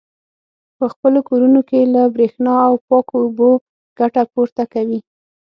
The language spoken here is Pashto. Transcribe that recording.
په خپلو کورونو کې له برېښنا او پاکو اوبو ګټه پورته کوي.